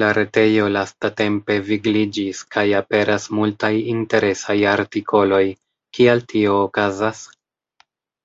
La retejo lastatempe vigliĝis kaj aperas multaj interesaj artikoloj, kial tio okazas?